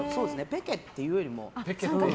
ぺけっていうよりも。